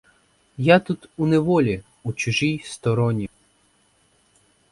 Я тут у неволі, у чужій стороні.